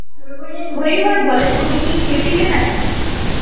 হরিহর বলে, তুমি কি খেপিলে নাকি?